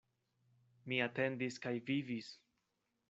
Mi atendis kaj vivis.